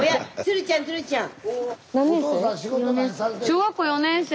小学校４年生。